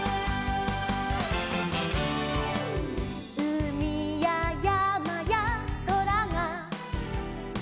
「うみややまやそらが」